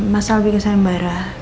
masa lebih ke sayembara